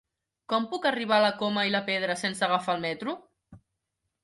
Com puc arribar a la Coma i la Pedra sense agafar el metro?